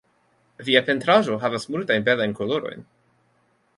Via pentraĵo havas multajn belajn kolorojn.